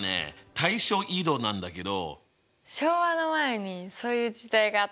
対称移動なんだけど。